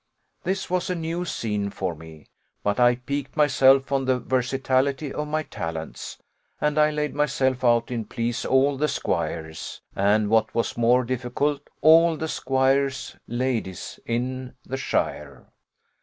This was a new scene for me; but I piqued myself on the versatility of my talents, and I laid myself out in please all the squires, and, what was more difficult, all the squires' ladies, in shire.